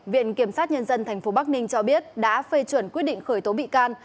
viện kiểm sát nhân dân tp bắc ninh cho biết đã phê chuẩn quyết định khởi tố bị can